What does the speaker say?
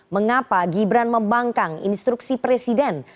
mengapa gibran membangkang instruksi presiden